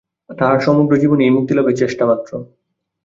তাহার সমগ্র জীবনই এই মুক্তিলাভের চেষ্টা মাত্র।